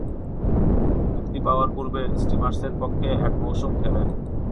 মুক্তি পাওয়ার পূর্বে স্টিমার্সের পক্ষে এক মৌসুম খেলেন।